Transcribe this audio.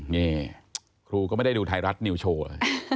นี่ครูก็ไม่ได้ดูไทยรัฐนิวโชว์เลย